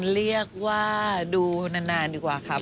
เรียกว่าดูนานดีกว่าครับ